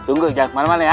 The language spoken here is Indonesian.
tunggu aja kemana mana ya